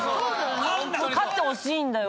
勝ってほしいんだよ。